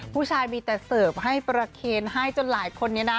ผู้ชายมีแต่เสิร์ฟให้ประเคนให้จนหลายคนนี้นะ